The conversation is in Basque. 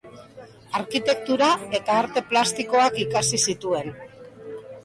Arkitektura eta arte plastikoak ikasi zituen.